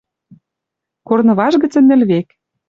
Корнываж гӹцӹн нӹл век.